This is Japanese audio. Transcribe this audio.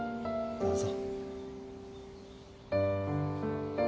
どうぞ。